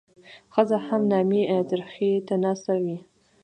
ښځه هم نامي ترخي ته ناسته وي.